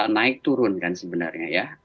naik turun kan sebenarnya ya